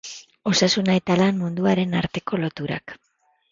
Osasuna eta lan munduaren arteko loturak.